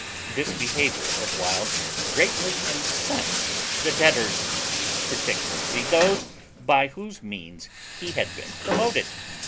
This behaviour of Wild greatly incensed the debtors, particularly those by whose means he had been promoted.